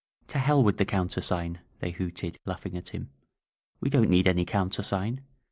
*^o hell with the countersigii f they hooted, langhing at him. *^We don't need any countersign!